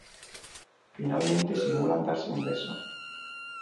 Finalmente simulan darse un beso.